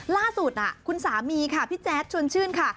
ล่าสุดคุณสามีค่ะพี่แจ๊ดชวนชื่นค่ะ